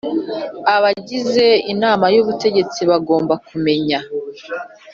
Abagize inama y ubutegetsi bagomba kumenya